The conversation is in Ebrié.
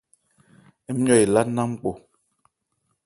Nmɔyo elá nná npɔ.